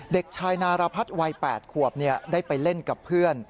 เด็กชายนารพัฒน์วัย๘ขวบได้ไปเล่นกับเพื่อน